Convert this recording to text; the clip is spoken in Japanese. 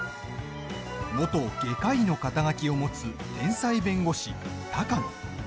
元外科医の肩書を持つ天才弁護士、鷹野。